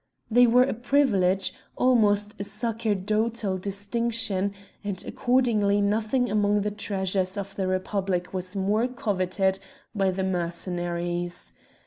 They were a privilege, almost a sacerdotal distinction, and accordingly nothing among the treasures of the Republic was more coveted by the Mercenaries.